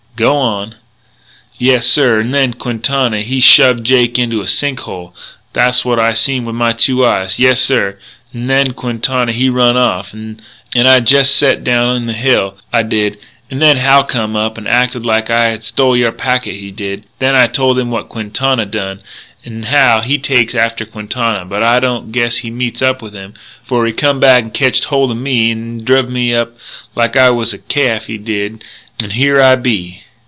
"G'wan." "Yessir.... 'N'then Quintana he shoved Jake into a sink hole. Thaswot I seen with my two eyes. Yessir. 'N'then Quintana he run off, 'n'I jest set down in the trail, I did; 'n'then Hal come up and acted like I had stole your packet, he did; 'n'then I told him what Quintana done. 'N'Hal, he takes after Quintana, but I don't guess he meets up with him, for he come back and ketched holt o' me, 'n'he druv me in like I was a caaf, he did. 'N'here I be."